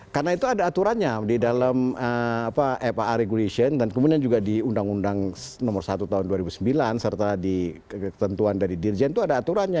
karena itu ada aturannya di dalam epa regulation dan kemudian juga di undang undang nomor satu tahun dua ribu sembilan serta di ketentuan dari dirjen itu ada aturannya